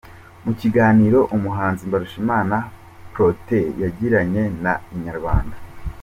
Mu kiganiro umuhanzi Mbarushimana Protais yagiranye na Inyarwanda.